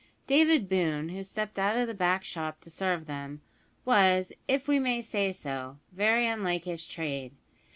David Boone, who stepped out of the back shop to serve them, was, if we may say so, very unlike his trade.